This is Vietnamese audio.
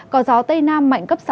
có gió tây nam mạnh cấp sáu bảy